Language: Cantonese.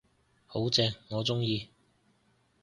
好正，我鍾意